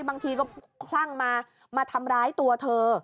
บางทีก็คลั่งมามาทำร้ายตัวเธอ